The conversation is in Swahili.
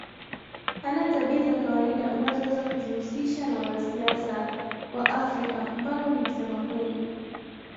hana tabia za kawaida unazoweza kuzihusisha na wanasiasa wa Afrika Mpango ni msema kweli